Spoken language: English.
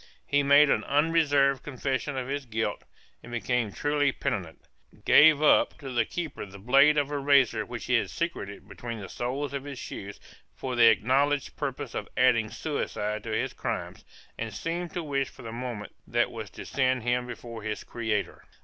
He made an unreserved confession of his guilt, and became truly penitent; gave up to the keeper the blade of a razor which he had secreted between the soles of his shoes for the acknowledged purpose of adding suicide to his crimes, and seemed to wish for the moment that was to send him before his Creator.